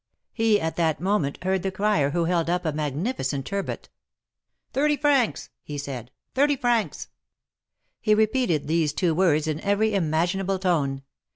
He at that moment heard the crier, who held up a magnificent turbot : Thirty francs !" he said, thirty francs !" He repeated these two words in every imaginable tone.